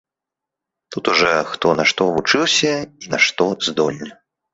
Тут ужо хто на што вучыўся і на што здольны.